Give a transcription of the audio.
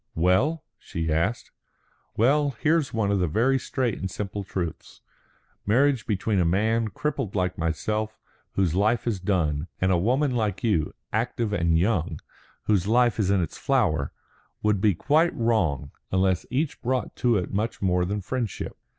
"Well?" she asked. "Well, here's one of the very straight and simple truths. Marriage between a man crippled like myself, whose life is done, and a woman like you, active and young, whose life is in its flower, would be quite wrong unless each brought to it much more than friendship.